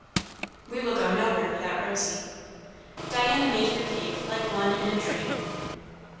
"We will go nowhere without Rosy." Diana made her cake like one in a dream.